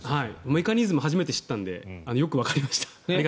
メカニズムを初めて知ったのでよくわかりました。